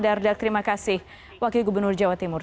dardak terima kasih wakil gubernur jawa timur